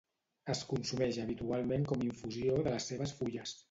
Es consumeix habitualment com infusió de les seves fulles.